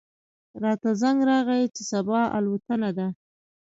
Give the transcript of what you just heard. راته زنګ راغی چې صبا الوتنه ده.